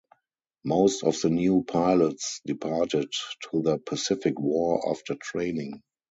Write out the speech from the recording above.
Most of the new pilots departed to the Pacific War after training.